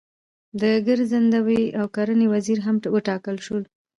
د ګرځندوی او کرنې وزیر هم وټاکل شول.